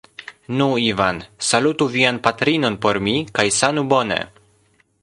Nu Ivan; salutu vian patrinon por mi kaj sanu bone.